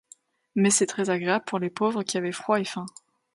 Mais c’est très agréable pour les pauvres qui avaient froid et faim.